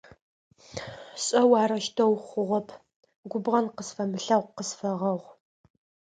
Сшӏэу арэущтэу хъугъэп! Губгъэн къысфэмылъэгъоу къысфэгъэгъу.